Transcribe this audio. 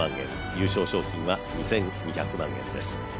優勝賞金は２２００万円です。